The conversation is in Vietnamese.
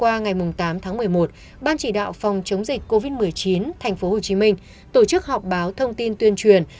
hôm qua ngày tám tháng một mươi một ban chỉ đạo phòng chống dịch covid một mươi chín tp hcm tổ chức họp báo thông tin tuyên truyền